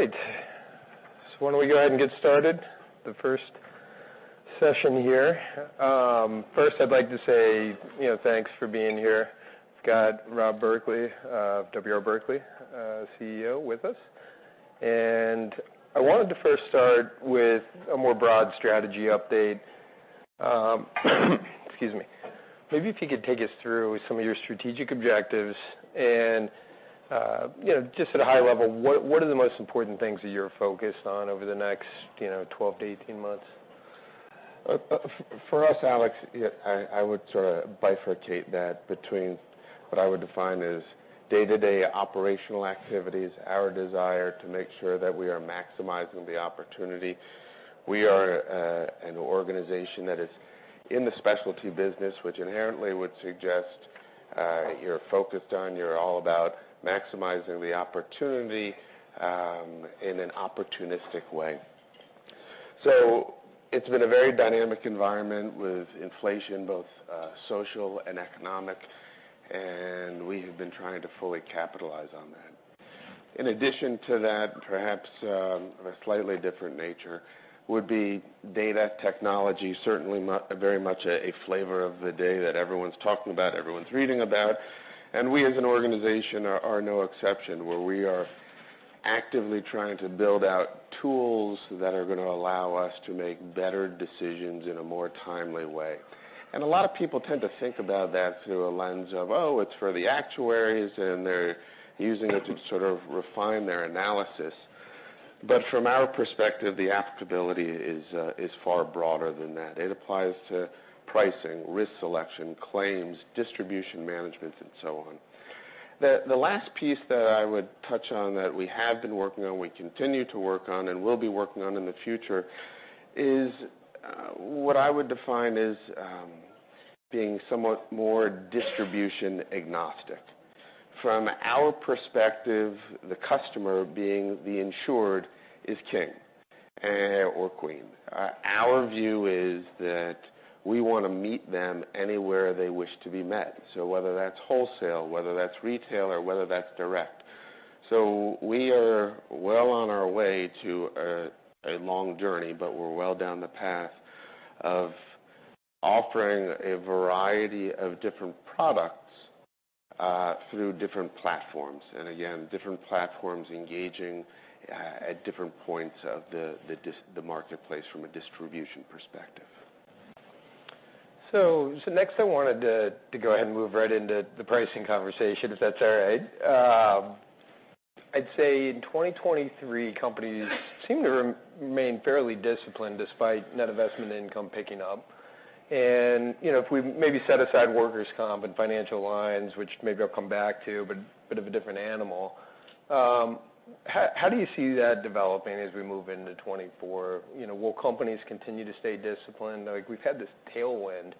All right. So why don't we go ahead and get started? The first session here. First, I'd like to say, you know, thanks for being here. We've got Rob Berkley, W. R. Berkley, CEO with us. And I wanted to first start with a more broad strategy update. Excuse me. Maybe if you could take us through some of your strategic objectives and, you know, just at a high level, what, what are the most important things that you're focused on over the next, you know, 12-18 months? For us, Alex, yeah, I would sort of bifurcate that between what I would define as day-to-day operational activities, our desire to make sure that we are maximizing the opportunity. We are an organization that is in the specialty business, which inherently would suggest you're focused on, you're all about maximizing the opportunity in an opportunistic way. So it's been a very dynamic environment with inflation, both social and economic, and we have been trying to fully capitalize on that. In addition to that, perhaps a slightly different nature would be data technology. Certainly very much a flavor of the day that everyone's talking about, everyone's reading about, and we, as an organization, are no exception, where we are actively trying to build out tools that are going to allow us to make better decisions in a more timely way. And a lot of people tend to think about that through a lens of, oh, it's for the actuaries, and they're using it to sort of refine their analysis. But from our perspective, the applicability is far broader than that. It applies to pricing, risk selection, claims, distribution management, and so on. The last piece that I would touch on, that we have been working on, we continue to work on, and will be working on in the future, is what I would define as being somewhat more distribution agnostic. From our perspective, the customer being the insured is king, or queen. Our view is that we want to meet them anywhere they wish to be met, so whether that's wholesale, whether that's retail, or whether that's direct. So we are well on our way to a long journey, but we're well down the path of offering a variety of different products through different platforms, and again, different platforms engaging at different points of the marketplace from a distribution perspective. So next, I wanted to go ahead and move right into the pricing conversation, if that's all right. I'd say in 2023, companies seemed to remain fairly disciplined despite net investment income picking up. And, you know, if we maybe set aside workers' comp and financial lines, which maybe I'll come back to, but bit of a different animal, how do you see that developing as we move into 2024? You know, will companies continue to stay disciplined? Like, we've had this tailwind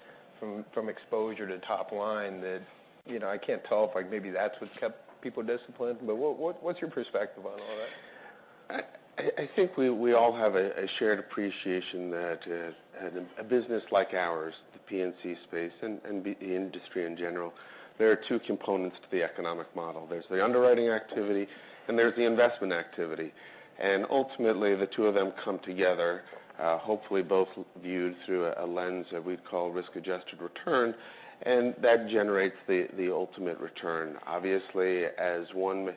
from exposure to top line that, you know, I can't tell if, like, maybe that's what's kept people disciplined, but what's your perspective on all that? I think we all have a shared appreciation that a business like ours, the P&C space and the industry in general, there are two components to the economic model. There's the underwriting activity, and there's the investment activity. And ultimately, the two of them come together, hopefully both viewed through a lens that we'd call risk-adjusted return, and that generates the ultimate return. Obviously, as one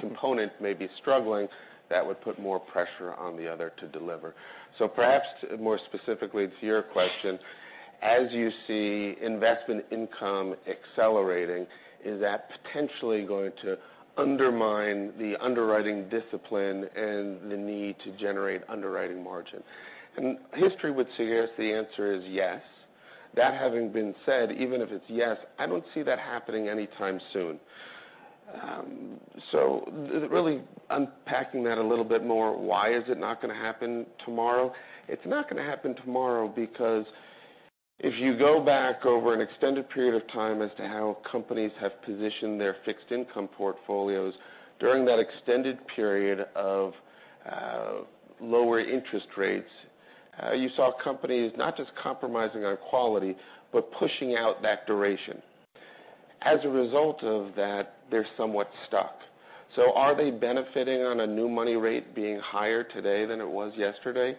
component may be struggling, that would put more pressure on the other to deliver. So perhaps more specifically to your question, as you see investment income accelerating, is that potentially going to undermine the underwriting discipline and the need to generate underwriting margin? And history would suggest the answer is yes. That having been said, even if it's yes, I don't see that happening anytime soon. So really unpacking that a little bit more, why is it not going to happen tomorrow? It's not going to happen tomorrow because if you go back over an extended period of time as to how companies have positioned their fixed income portfolios during that extended period of lower interest rates, you saw companies not just compromising on quality, but pushing out that duration. As a result of that, they're somewhat stuck. So are they benefiting on a new money rate being higher today than it was yesterday?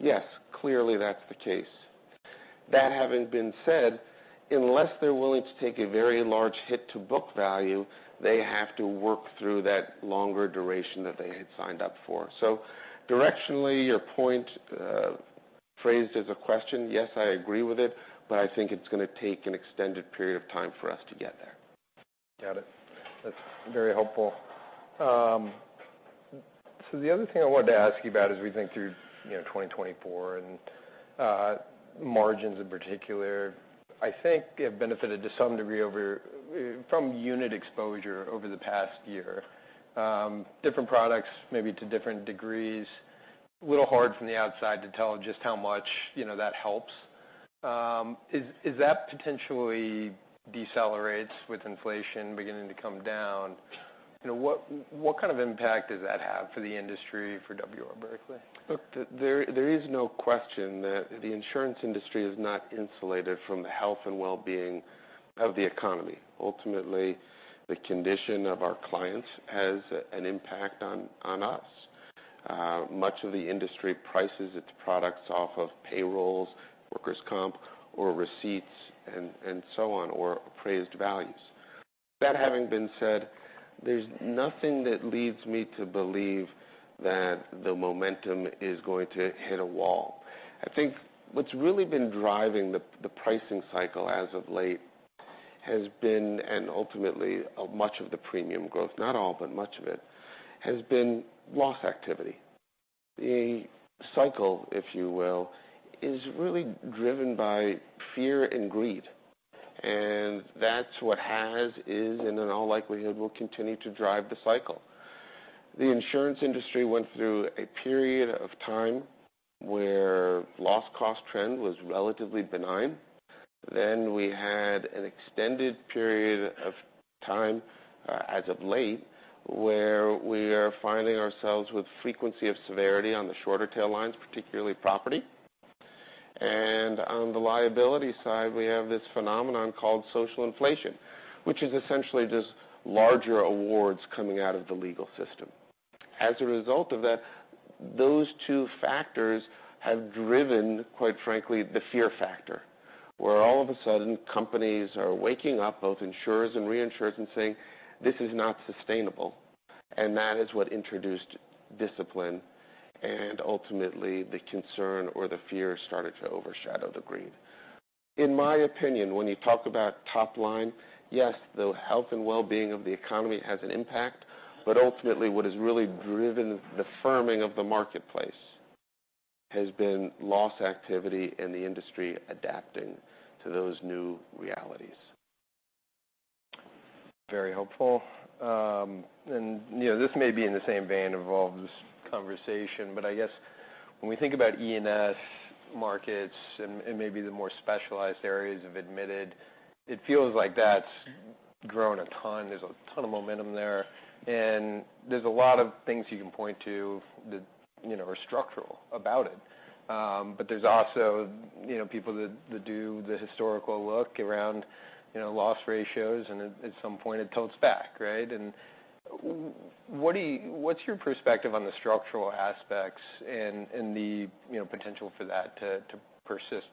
Yes, clearly, that's the case. That having been said, unless they're willing to take a very large hit to book value, they have to work through that longer duration that they had signed up for. So directionally, your point, phrased as a question, yes, I agree with it, but I think it's going to take an extended period of time for us to get there. Got it. That's very helpful. So the other thing I wanted to ask you about as we think through, you know, 2024 and, margins in particular, I think you have benefited to some degree over, from unit exposure over the past year. Different products, maybe to different degrees. A little hard from the outside to tell just how much, you know, that helps. Is that potentially decelerates with inflation beginning to come down? You know, what kind of impact does that have for the industry, for W.R. Berkley? Look, there is no question that the insurance industry is not insulated from the health and well-being of the economy. Ultimately, the condition of our clients has an impact on us. Much of the industry prices its products off of payrolls, workers' comp, or receipts, and so on, or appraised values. That having been said, there's nothing that leads me to believe that the momentum is going to hit a wall. I think what's really been driving the pricing cycle as of late has been, and ultimately, much of the premium growth, not all, but much of it, has been loss activity. The cycle, if you will, is really driven by fear and greed, and that's what has, is, and in all likelihood, will continue to drive the cycle. The insurance industry went through a period of time where loss cost trend was relatively benign. Then we had an extended period of time, as of late, where we are finding ourselves with frequency of severity on the shorter tail lines, particularly property. And on the liability side, we have this phenomenon called social inflation, which is essentially just larger awards coming out of the legal system. As a result of that, those two factors have driven, quite frankly, the fear factor, where all of a sudden, companies are waking up, both insurers and reinsurers, and saying, "This is not sustainable." And that is what introduced discipline, and ultimately, the concern or the fear started to overshadow the greed. In my opinion, when you talk about top line, yes, the health and well-being of the economy has an impact, but ultimately, what has really driven the firming of the marketplace has been loss activity and the industry adapting to those new realities. Very helpful. And, you know, this may be in the same vein of all this conversation, but I guess when we think about E&S markets and maybe the more specialized areas of admitted, it feels like that's grown a ton. There's a ton of momentum there, and there's a lot of things you can point to that, you know, are structural about it. But there's also, you know, people that do the historical look around, you know, loss ratios, and at some point it tilts back, right? And what's your perspective on the structural aspects and the, you know, potential for that to persist,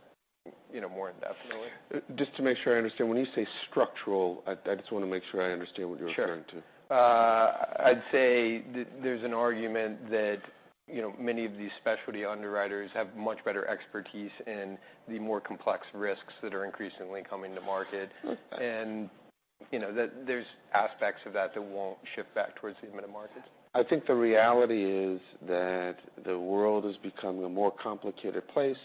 you know, more indefinitely? Just to make sure I understand, when you say structural, I just want to make sure I understand what you're referring to. Sure. I'd say there's an argument that, you know, many of these specialty underwriters have much better expertise in the more complex risks that are increasingly coming to market. Okay. You know, that there's aspects of that, that won't shift back towards the admitted markets. I think the reality is that the world is becoming a more complicated place.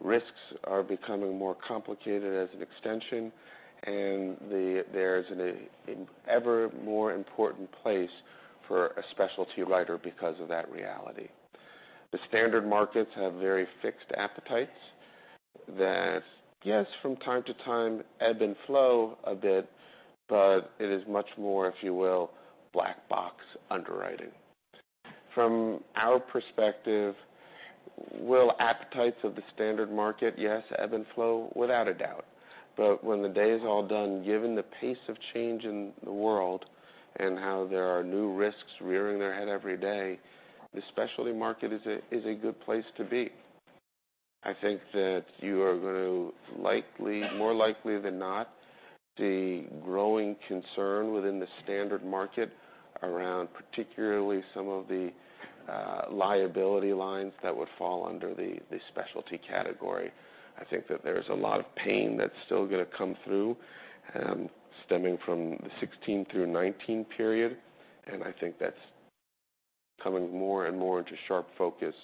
Risks are becoming more complicated as an extension, and there's an ever more important place for a specialty writer because of that reality. The standard markets have very fixed appetites that, yes, from time to time, ebb and flow a bit, but it is much more, if you will, black box underwriting. From our perspective, will appetites of the standard market, yes, ebb and flow? Without a doubt. But when the day is all done, given the pace of change in the world and how there are new risks rearing their head every day, the specialty market is a good place to be. I think that you are going to likely, more likely than not, see growing concern within the standard market around particularly some of the liability lines that would fall under the specialty category. I think that there's a lot of pain that's still gonna come through stemming from the 2016 through 2019 period, and I think that's coming more and more into sharp focus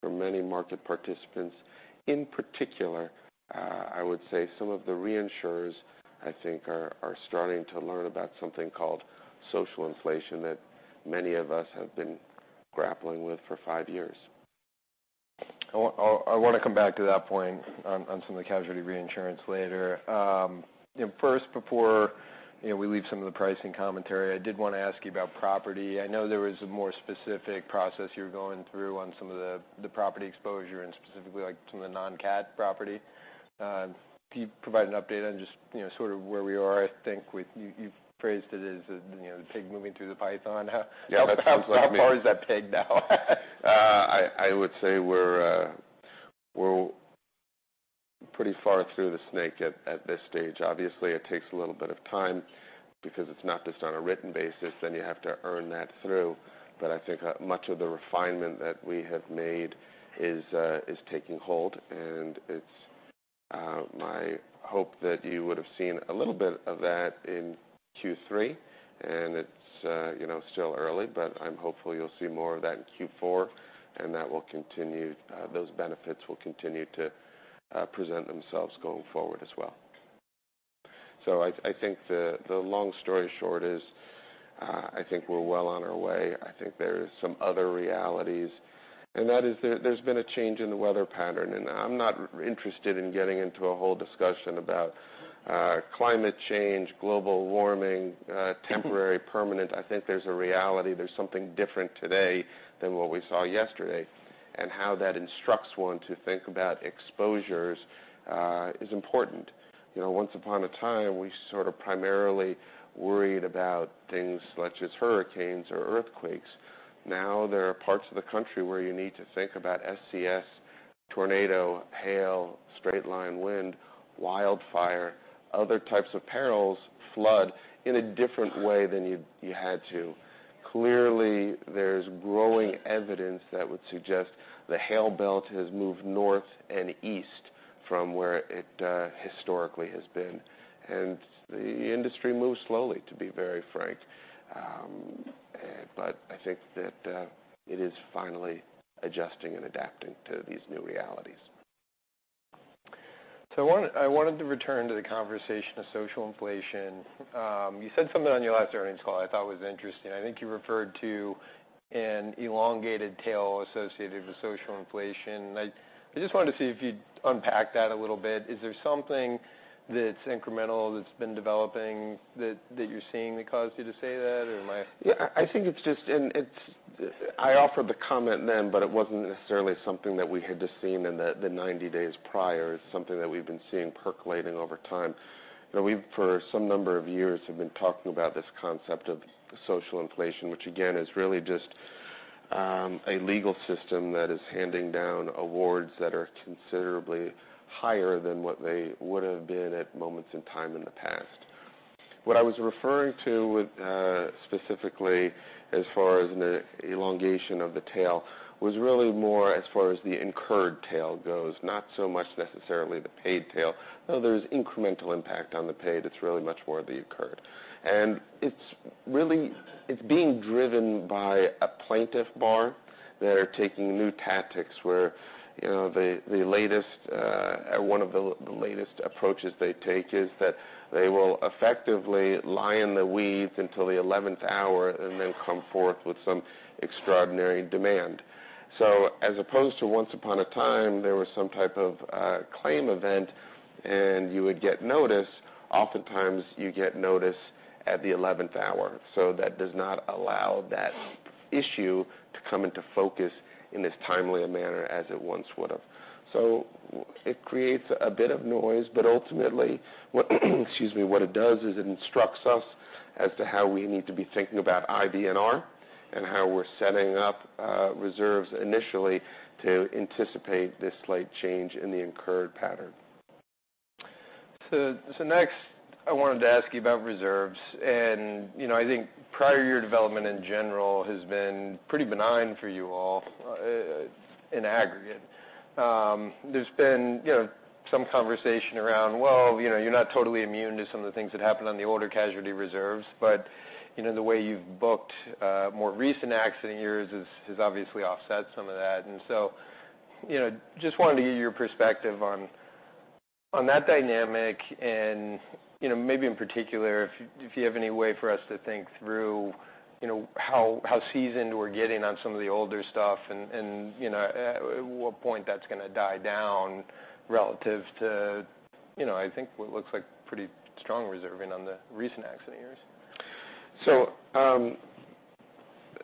for many market participants. In particular, I would say some of the reinsurers, I think, are starting to learn about something called social inflation that many of us have been grappling with for five years. I want to come back to that point on some of the casualty reinsurance later. You know, first, before we leave some of the pricing commentary, I did want to ask you about property. I know there was a more specific process you were going through on some of the property exposure and specifically, like, some of the non-cat property. Can you provide an update on just, you know, sort of where we are? I think we-- you, you've phrased it as the, you know, the pig moving through the python. Yeah. How far is that pig now? I would say we're pretty far through the snake at this stage. Obviously, it takes a little bit of time because it's not just on a written basis, then you have to earn that through. But I think much of the refinement that we have made is taking hold, and it's my hope that you would have seen a little bit of that in Q3. And it's you know, still early, but I'm hopeful you'll see more of that in Q4, and that will continue, those benefits will continue to present themselves going forward as well. So I think the long story short is, I think we're well on our way. I think there are some other realities, and that is there, there's been a change in the weather pattern, and I'm not interested in getting into a whole discussion about, climate change, global warming, temporary, permanent. I think there's a reality. There's something different today than what we saw yesterday... and how that instructs one to think about exposures, is important. You know, once upon a time, we sort of primarily worried about things such as hurricanes or earthquakes. Now there are parts of the country where you need to think about SCS, tornado, hail, straight-line wind, wildfire, other types of perils, flood, in a different way than you had to. Clearly, there's growing evidence that would suggest the hail belt has moved north and east from where it historically has been, and the industry moves slowly, to be very frank. But I think that it is finally adjusting and adapting to these new realities. So I wanted to return to the conversation of social inflation. You said something on your last earnings call I thought was interesting. I think you referred to an elongated tail associated with social inflation. I just wanted to see if you'd unpack that a little bit. Is there something that's incremental that's been developing that you're seeing that caused you to say that or am I- Yeah, I think it's just I offered the comment then, but it wasn't necessarily something that we had just seen in the 90 days prior. It's something that we've been seeing percolating over time. You know, we've for some number of years have been talking about this concept of social inflation, which again is really just a legal system that is handing down awards that are considerably higher than what they would have been at moments in time in the past. What I was referring to with specifically as far as the elongation of the tail was really more as far as the incurred tail goes, not so much necessarily the paid tail, though there's incremental impact on the paid. It's really much more the incurred. It's really, it's being driven by a plaintiff bar that are taking new tactics where, you know, the latest or one of the latest approaches they take is that they will effectively lie in the weeds until the eleventh hour and then come forth with some extraordinary demand. So as opposed to once upon a time, there was some type of claim event and you would get notice, oftentimes you get notice at the eleventh hour. So that does not allow that issue to come into focus in as timely a manner as it once would have. So it creates a bit of noise, but ultimately, what, excuse me, what it does is it instructs us as to how we need to be thinking about IBNR and how we're setting up reserves initially to anticipate this slight change in the incurred pattern. Next, I wanted to ask you about reserves. You know, I think prior year development, in general, has been pretty benign for you all in aggregate. There's been, you know, some conversation around, well, you know, you're not totally immune to some of the things that happened on the older casualty reserves, but, you know, the way you've booked more recent accident years has obviously offset some of that. You know, just wanted to get your perspective on that dynamic and, you know, maybe in particular, if you have any way for us to think through, you know, how seasoned we're getting on some of the older stuff and, you know, at what point that's gonna die down relative to, you know, I think what looks like pretty strong reserving on the recent accident years. So,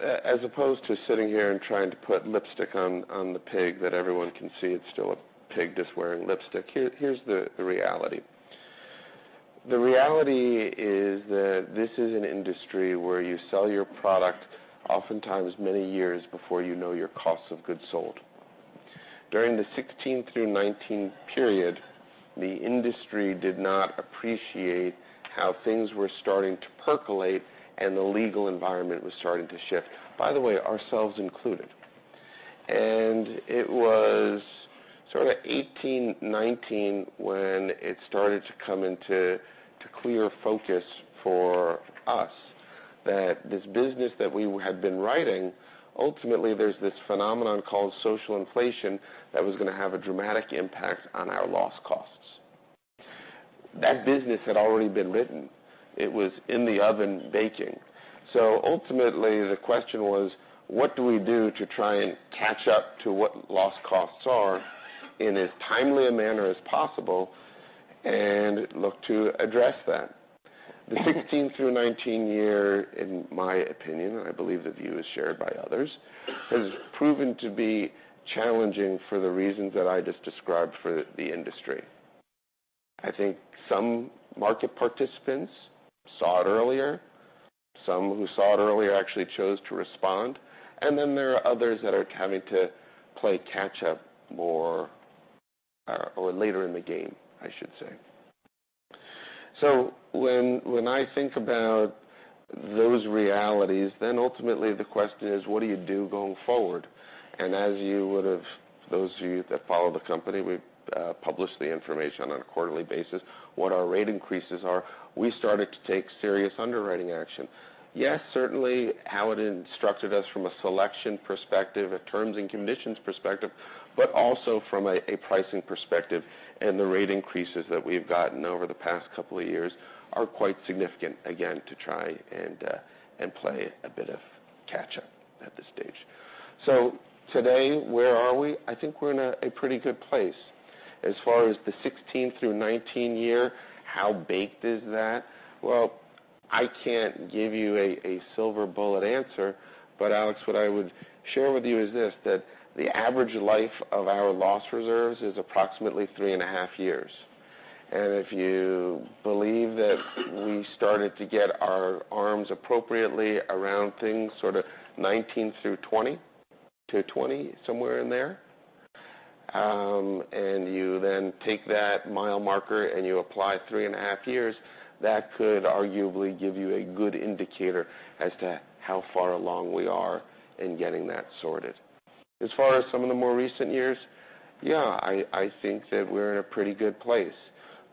as opposed to sitting here and trying to put lipstick on the pig, that everyone can see it's still a pig just wearing lipstick, here, here's the reality. The reality is that this is an industry where you sell your product oftentimes many years before you know your cost of goods sold. During the 2016 through 2019 period, the industry did not appreciate how things were starting to percolate and the legal environment was starting to shift. By the way, ourselves included. And it was sort of 2018, 2019, when it started to come into clear focus for us, that this business that we had been writing, ultimately, there's this phenomenon called social inflation that was gonna have a dramatic impact on our loss costs. That business had already been written. It was in the oven baking. So ultimately, the question was: What do we do to try and catch up to what loss costs are in as timely a manner as possible and look to address that? The 2016 through 2019 year, in my opinion, I believe the view is shared by others, has proven to be challenging for the reasons that I just described for the industry. I think some market participants saw it earlier. Some who saw it earlier actually chose to respond. And then there are others that are having to play catch up more, or later in the game, I should say. So when I think about those realities, then ultimately the question is: What do you do going forward? And as you would have, those of you that follow the company, we publish the information on a quarterly basis, what our rate increases are. We started to take serious underwriting action. Yes, certainly, how it instructed us from a selection perspective, a terms and conditions perspective, but also from a pricing perspective, and the rate increases that we've gotten over the past couple of years are quite significant, again, to try and and play a bit of catch up at this stage. So today, where are we? I think we're in a pretty good place. As far as the 2016 through 2019 year, how baked is that? Well, I can't give you a silver bullet answer, but Alex, what I would share with you is this: that the average life of our loss reserves is approximately three and a half years. If you believe that we started to get our arms appropriately around things, sort of 2019-2020, somewhere in there, and you then take that mile marker and you apply three and a half years, that could arguably give you a good indicator as to how far along we are in getting that sorted. As far as some of the more recent years, yeah, I think that we're in a pretty good place.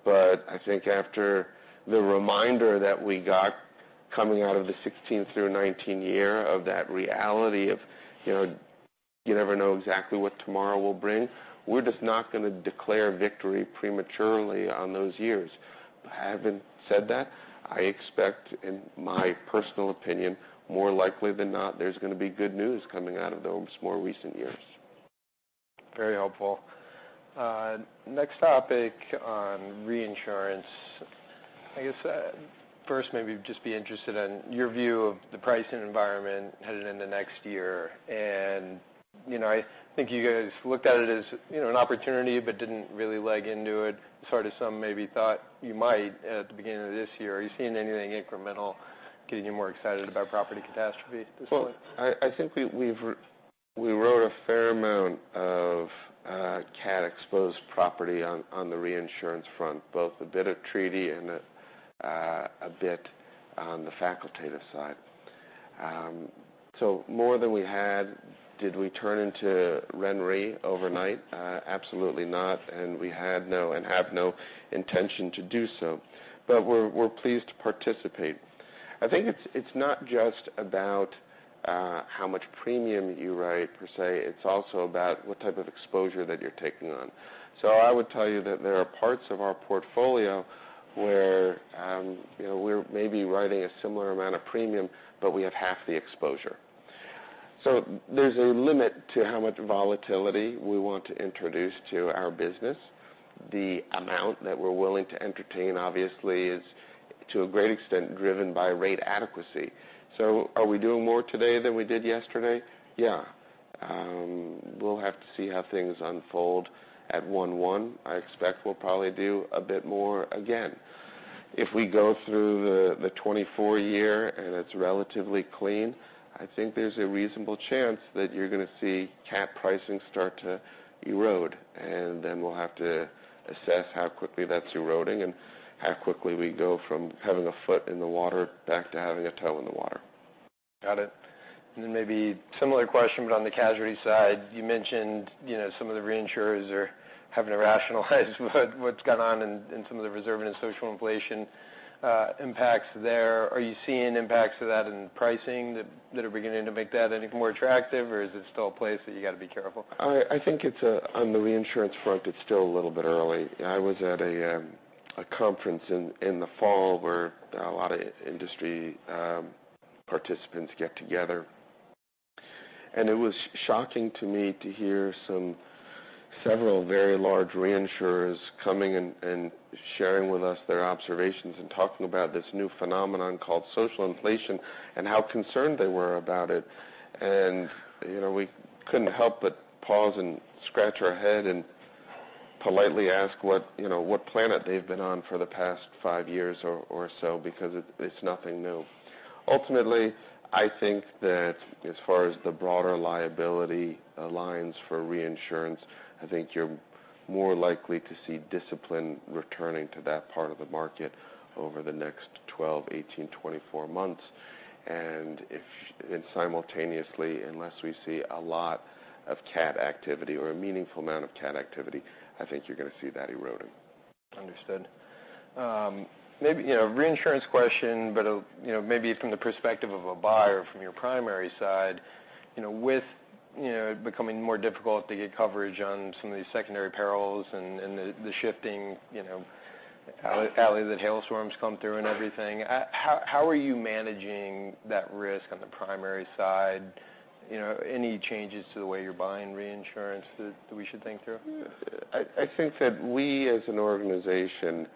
But I think after the reminder that we got coming out of the 2016-2019 year, of that reality of, you know, you never know exactly what tomorrow will bring, we're just not gonna declare victory prematurely on those years. Having said that, I expect, in my personal opinion, more likely than not, there's gonna be good news coming out of those more recent years. Very helpful. Next topic on reinsurance. I guess, first, maybe just be interested in your view of the pricing environment headed into next year. You know, I think you guys looked at it as, you know, an opportunity, but didn't really leg into it, sort of some maybe thought you might at the beginning of this year. Are you seeing anything incremental, getting you more excited about property catastrophe at this point? Well, I think we wrote a fair amount of cat-exposed property on the reinsurance front, both a bit of treaty and a bit on the facultative side. So more than we had, did we turn into RenRe overnight? Absolutely not, and we have no intention to do so, but we're pleased to participate. I think it's not just about how much premium you write per se, it's also about what type of exposure that you're taking on. So I would tell you that there are parts of our portfolio where you know, we're maybe writing a similar amount of premium, but we have half the exposure. So there's a limit to how much volatility we want to introduce to our business. The amount that we're willing to entertain, obviously, is, to a great extent, driven by rate adequacy. So are we doing more today than we did yesterday? Yeah. We'll have to see how things unfold at 1/1. I expect we'll probably do a bit more again. If we go through the 2024 year, and it's relatively clean, I think there's a reasonable chance that you're gonna see CAT pricing start to erode, and then we'll have to assess how quickly that's eroding and how quickly we go from having a foot in the water back to having a toe in the water. Got it. And then maybe similar question, but on the casualty side, you mentioned, you know, some of the reinsurers are having to rationalize what, what's gone on in, in some of the reserve and social inflation impacts there. Are you seeing impacts of that in pricing that, that are beginning to make that any more attractive, or is it still a place that you gotta be careful? I think it's on the reinsurance front, it's still a little bit early. I was at a conference in the fall, where a lot of industry participants get together, and it was shocking to me to hear several very large reinsurers coming and sharing with us their observations and talking about this new phenomenon called social inflation, and how concerned they were about it. And, you know, we couldn't help but pause and scratch our head and politely ask what, you know, what planet they've been on for the past five years or so, because it's nothing new. Ultimately, I think that as far as the broader liability lines for reinsurance, I think you're more likely to see discipline returning to that part of the market over the next 12, 18, 24 months. And simultaneously, unless we see a lot of CAT activity or a meaningful amount of CAT activity, I think you're gonna see that eroding. Understood. Maybe, you know, reinsurance question, but, you know, maybe from the perspective of a buyer from your primary side. You know, with, you know, it becoming more difficult to get coverage on some of these secondary perils and, and the, the shifting, you know, alley, alley that hailstorms come through and everything, how, how are you managing that risk on the primary side? You know, any changes to the way you're buying reinsurance that, that we should think through? I think that we as an organization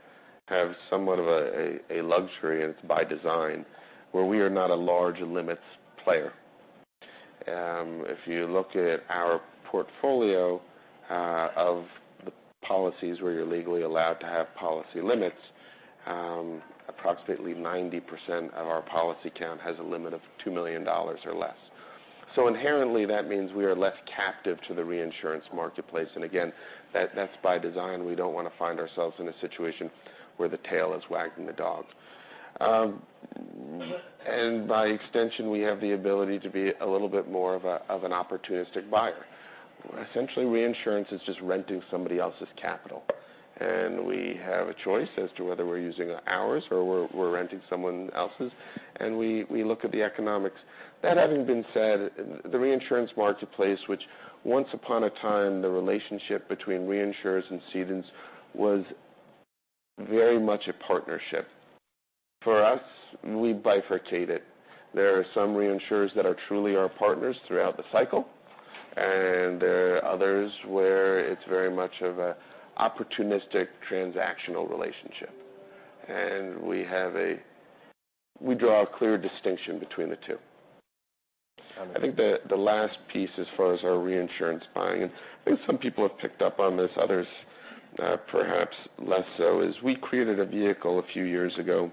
have somewhat of a luxury, and it's by design, where we are not a large limits player. If you look at our portfolio of the policies where you're legally allowed to have policy limits, approximately 90% of our policy count has a limit of $2 million or less. So inherently, that means we are less captive to the reinsurance marketplace, and again, that's by design. We don't wanna find ourselves in a situation where the tail is wagging the dog. And by extension, we have the ability to be a little bit more of an opportunistic buyer. Essentially, reinsurance is just renting somebody else's capital, and we have a choice as to whether we're using ours or we're renting someone else's, and we look at the economics. That having been said, the reinsurance marketplace, which once upon a time, the relationship between reinsurers and cedants, was very much a partnership. For us, we bifurcate it. There are some reinsurers that are truly our partners throughout the cycle and there are others where it's very much of a opportunistic transactional relationship. And we have a we draw a clear distinction between the two. I think the last piece as far as our reinsurance buying, and I think some people have picked up on this, others, perhaps less so, is we created a vehicle a few years ago,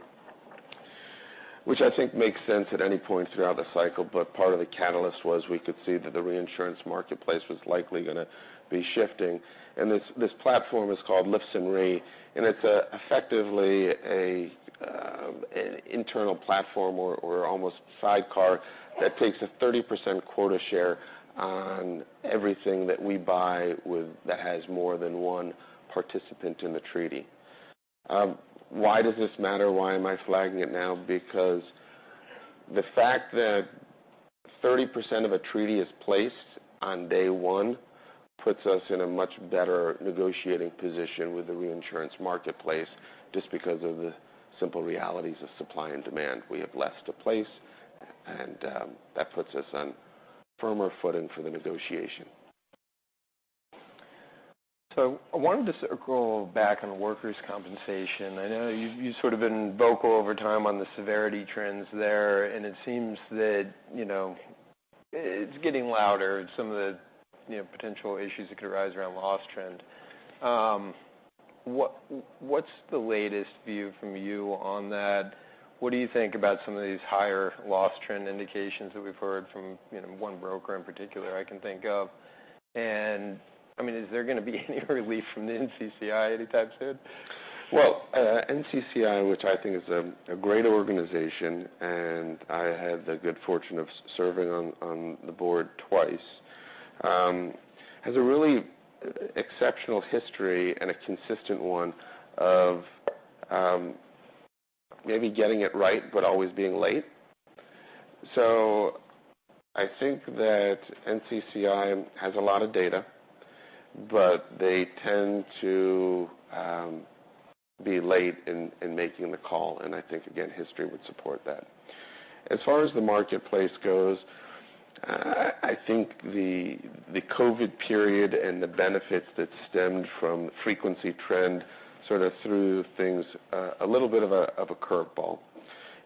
which I think makes sense at any point throughout the cycle, but part of the catalyst was we could see that the reinsurance marketplace was likely gonna be shifting. And this, this platform is called Lifson Re, and it's effectively a, an internal platform or, or almost sidecar that takes a 30% quota share on everything that we buy with-- that has more than one participant in the treaty. Why does this matter? Why am I flagging it now? Because the fact that 30% of a treaty is placed on day one, puts us in a much better negotiating position with the reinsurance marketplace, just because of the simple realities of supply and demand. We have less to place, and, that puts us on firmer footing for the negotiation. So I wanted to circle back on workers' compensation. I know you've sort of been vocal over time on the severity trends there, and it seems that, you know, it's getting louder, some of the, you know, potential issues that could arise around loss trend. What's the latest view from you on that? What do you think about some of these higher loss trend indications that we've heard from, you know, one broker in particular I can think of? And, I mean, is there gonna be any relief from the NCCI anytime soon? Well, NCCI, which I think is a great organization, and I had the good fortune of serving on the board twice, has a really exceptional history and a consistent one of maybe getting it right, but always being late. So I think that NCCI has a lot of data, but they tend to be late in making the call, and I think, again, history would support that. As far as the marketplace goes, I think the COVID period and the benefits that stemmed from the frequency trend sort of threw things a little bit of a curveball.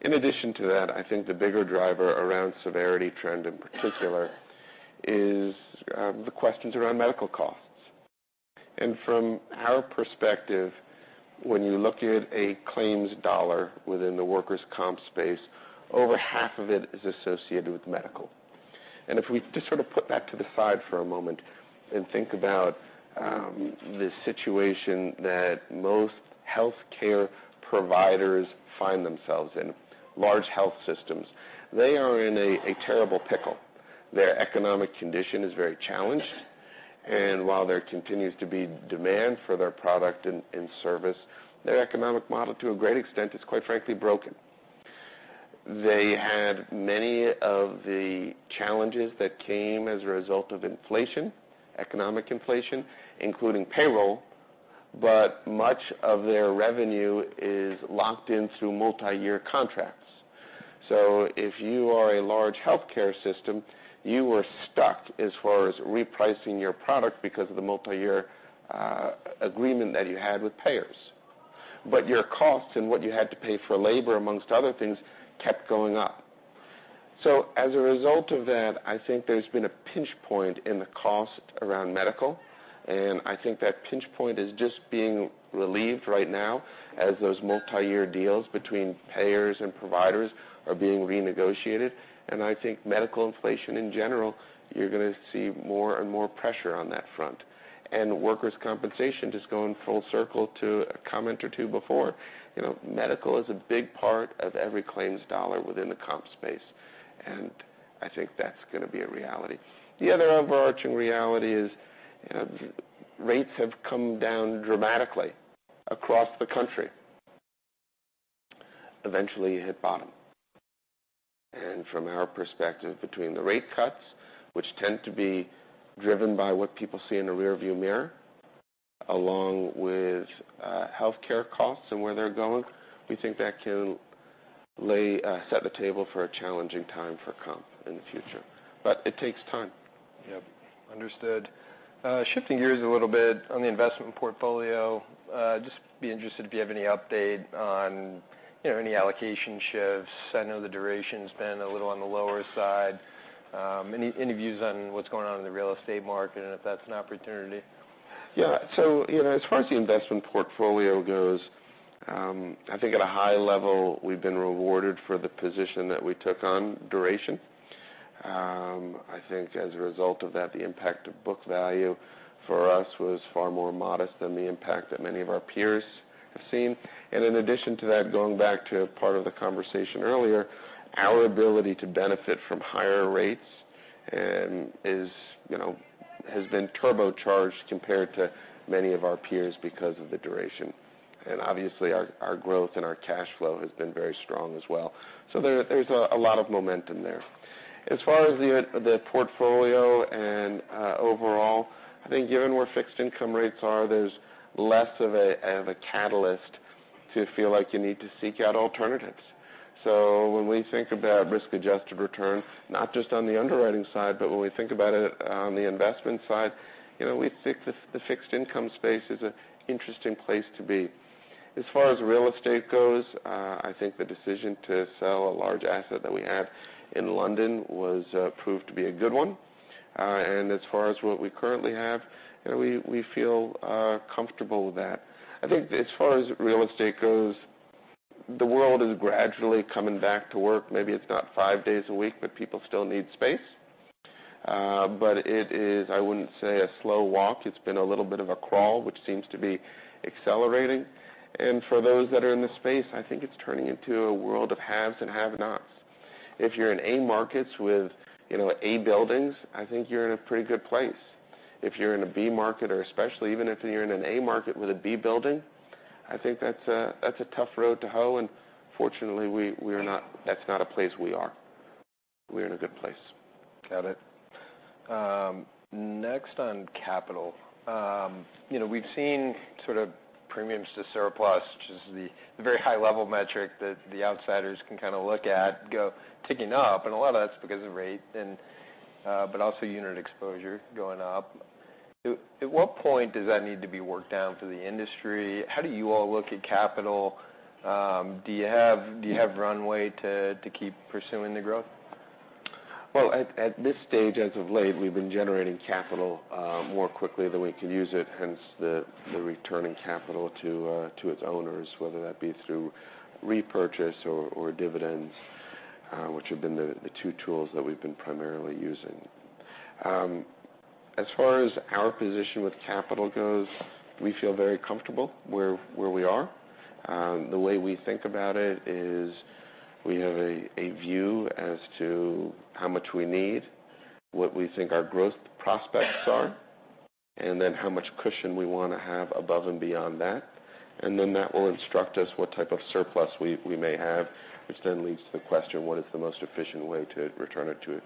In addition to that, I think the bigger driver around severity trend in particular is the questions around medical costs. From our perspective, when you look at a claims dollar within the workers' comp space, over half of it is associated with medical. If we just sort of put that to the side for a moment and think about the situation that most healthcare providers find themselves in, large health systems, they are in a terrible pickle. Their economic condition is very challenged, and while there continues to be demand for their product and service, their economic model, to a great extent, is, quite frankly, broken. They had many of the challenges that came as a result of inflation, economic inflation, including payroll, but much of their revenue is locked in through multiyear contracts. If you are a large healthcare system, you were stuck as far as repricing your product because of the multiyear agreement that you had with payers. But your costs and what you had to pay for labor, among other things, kept going up. So as a result of that, I think there's been a pinch point in the cost around medical, and I think that pinch point is just being relieved right now as those multiyear deals between payers and providers are being renegotiated. And I think medical inflation in general, you're gonna see more and more pressure on that front. And workers' compensation, just going full circle to a comment or two before, you know, medical is a big part of every claims dollar within the comp space, and I think that's gonna be a reality. The other overarching reality is, you know, rates have come down dramatically across the country. Eventually, you hit bottom. And from our perspective, between the rate cuts, which tend to be driven by what people see in the rearview mirror, along with healthcare costs and where they're going, we think that can set the table for a challenging time for comp in the future. But it takes time. Yep, understood. Shifting gears a little bit on the investment portfolio, just be interested if you have any update on, you know, any allocation shifts. I know the duration's been a little on the lower side. Any views on what's going on in the real estate market and if that's an opportunity? Yeah. So, you know, as far as the investment portfolio goes, I think at a high level, we've been rewarded for the position that we took on duration. I think as a result of that, the impact of book value for us was far more modest than the impact that many of our peers have seen. And in addition to that, going back to part of the conversation earlier, our ability to benefit from higher rates and, you know, has been turbocharged compared to many of our peers because of the duration. And obviously, our growth and our cash flow has been very strong as well. So there's a lot of momentum there. As far as the portfolio and overall, I think given where fixed income rates are, there's less of a catalyst to feel like you need to seek out alternatives. So when we think about risk-adjusted return, not just on the underwriting side, but when we think about it on the investment side, you know, we think the fixed income space is an interesting place to be. As far as real estate goes, I think the decision to sell a large asset that we had in London was proved to be a good one. And as far as what we currently have, you know, we feel comfortable with that. I think as far as real estate goes, the world is gradually coming back to work. Maybe it's not five days a week, but people still need space. But it is, I wouldn't say, a slow walk. It's been a little bit of a crawl, which seems to be accelerating, and for those that are in the space, I think it's turning into a world of haves and have-nots. If you're in A markets with, you know, A buildings, I think you're in a pretty good place. If you're in a B market, or especially even if you're in an A market with a B building, I think that's a tough road to hoe, and fortunately, we're not—that's not a place we are. We're in a good place. Got it. Next on capital. You know, we've seen sort of premiums to surplus, which is the very high level metric that the outsiders can kind of look at, go ticking up, and a lot of that's because of rates and but also unit exposure going up. At what point does that need to be worked down for the industry? How do you all look at capital? Do you have runway to keep pursuing the growth? Well, at this stage, as of late, we've been generating capital more quickly than we can use it, hence the returning capital to its owners, whether that be through repurchase or dividends, which have been the two tools that we've been primarily using. As far as our position with capital goes, we feel very comfortable where we are. The way we think about it is we have a view as to how much we need, what we think our growth prospects are, and then how much cushion we wanna have above and beyond that. And then that will instruct us what type of surplus we may have, which then leads to the question, what is the most efficient way to return it to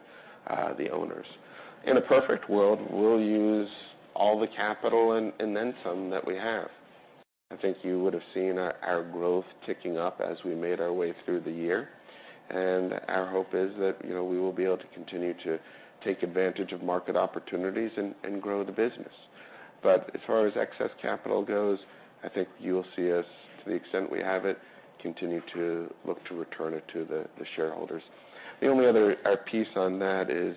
the owners? In a perfect world, we'll use all the capital and then some that we have. I think you would have seen our growth ticking up as we made our way through the year, and our hope is that, you know, we will be able to continue to take advantage of market opportunities and grow the business. But as far as excess capital goes, I think you will see us, to the extent we have it, continue to look to return it to the shareholders. The only other piece on that is,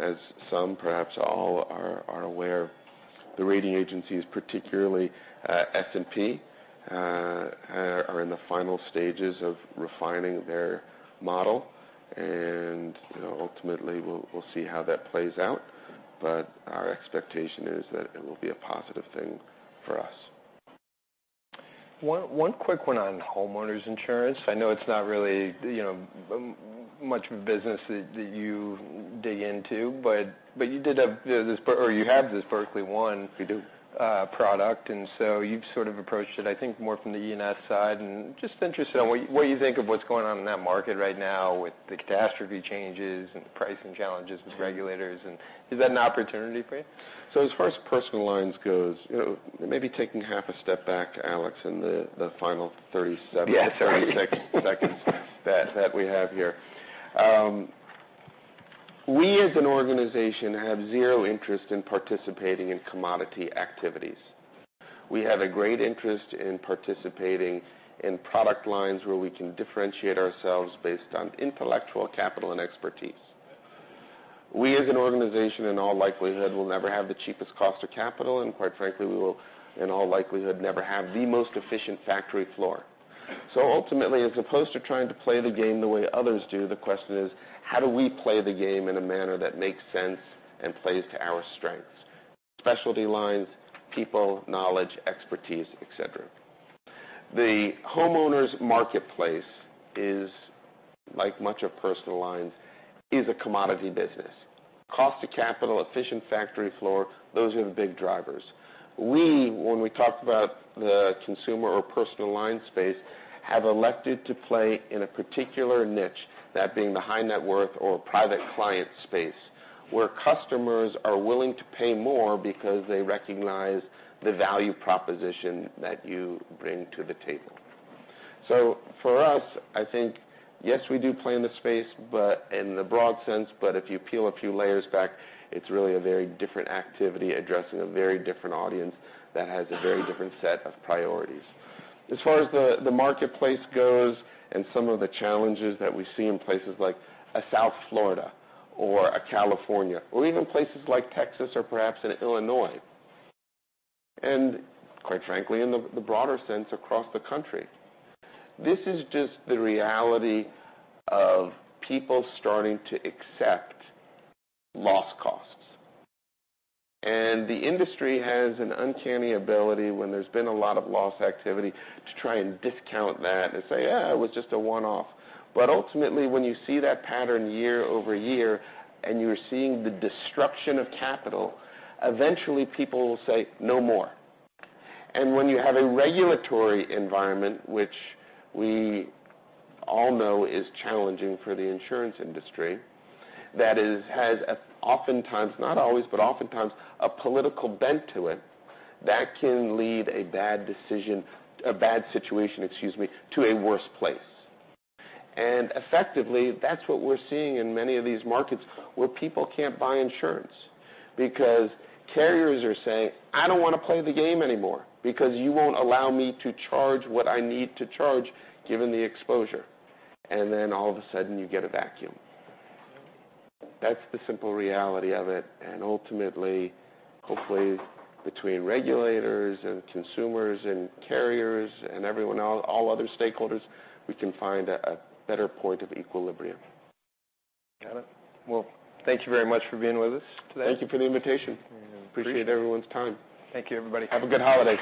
as some, perhaps all are aware, the rating agencies, particularly S&P, are in the final stages of refining their model, and ultimately, we'll see how that plays out. But our expectation is that it will be a positive thing for us. One quick one on homeowners insurance. I know it's not really, you know, much of a business that you dig into, but you did have this, or you have this Berkley One- We do. product, and so you've sort of approached it, I think, more from the E&S side. And just interested on what, what you think of what's going on in that market right now with the catastrophe changes and the pricing challenges with regulators, and is that an opportunity for you? As far as personal lines goes, you know, maybe taking half a step back, Alex, in the final 37- Yes. 36 seconds that we have here. We, as an organization, have zero interest in participating in commodity activities. We have a great interest in participating in product lines where we can differentiate ourselves based on intellectual capital and expertise. We, as an organization, in all likelihood, will never have the cheapest cost of capital, and quite frankly, we will, in all likelihood, never have the most efficient factory floor. So ultimately, as opposed to trying to play the game the way others do, the question is, how do we play the game in a manner that makes sense and plays to our strengths? Specialty lines, people, knowledge, expertise, et cetera. The homeowners marketplace is, like much of personal lines, a commodity business. Cost to capital, efficient factory floor, those are the big drivers. We, when we talk about the consumer or personal line space, have elected to play in a particular niche, that being the high net worth or private client space, where customers are willing to pay more because they recognize the value proposition that you bring to the table. So for us, I think, yes, we do play in the space, but in the broad sense, but if you peel a few layers back, it's really a very different activity, addressing a very different audience that has a very different set of priorities. As far as the marketplace goes and some of the challenges that we see in places like a South Florida or a California, or even places like Texas or perhaps in Illinois, and quite frankly, in the broader sense, across the country, this is just the reality of people starting to accept loss costs. And the industry has an uncanny ability when there's been a lot of loss activity, to try and discount that and say, "Yeah, it was just a one-off." But ultimately, when you see that pattern year over year, and you're seeing the destruction of capital, eventually people will say, "No more." And when you have a regulatory environment, which we all know is challenging for the insurance industry, that is, has oftentimes, not always, but oftentimes, a political bent to it, that can lead a bad decision, a bad situation, excuse me, to a worse place. And effectively, that's what we're seeing in many of these markets, where people can't buy insurance because carriers are saying, "I don't wanna play the game anymore, because you won't allow me to charge what I need to charge, given the exposure." And then all of a sudden, you get a vacuum. That's the simple reality of it, and ultimately, hopefully, between regulators and consumers and carriers and everyone, all, all other stakeholders, we can find a, a better point of equilibrium. Got it. Well, thank you very much for being with us today. Thank you for the invitation. Mm-hmm. Appreciate everyone's time. Thank you, everybody. Have a good holiday.